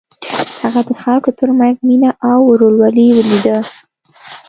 هغه د خلکو تر منځ مینه او ورورولي ولیده.